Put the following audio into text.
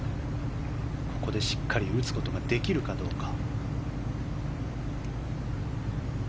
ここでしっかり打つことができるかどうか。